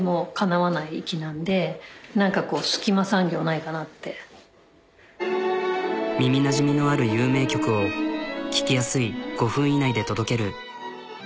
なるべく弾くっていうことと耳なじみのある有名曲を聴きやすい５分以内で届ける。